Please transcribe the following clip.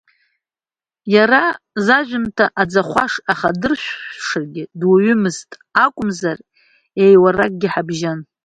Иара зажәымҭа аӡахәаш ахадырҳәышагьы дуаҩымызт, акәымзар, еиуаракгьы ҳабжьан.